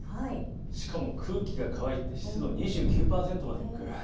しかも空気が乾いて湿度は２９％まで。